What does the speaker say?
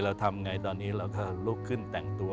ทำไงตอนนี้เราก็ลุกขึ้นแต่งตัว